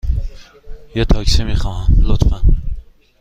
یه تاکسی می خواهم، لطفاً.